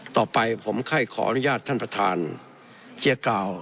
ต่อไปผมให้ขออนุญาตท่านประธานที่จะกล่าว